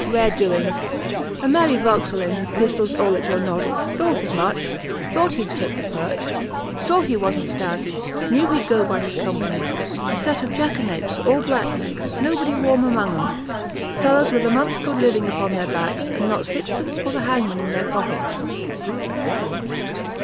rare doings! a merry Vauxhalling, with pistols at all your noddles! thought as much! thought he'd tip the perch; saw he wasn't stanch; knew he'd go by his company, a set of jackanapes! all blacklegs! nobody warm among 'em; fellows with a month's good living upon their backs, and not sixpence for the hangman in their pockets!"